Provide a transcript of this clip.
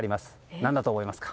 何だと思いますか？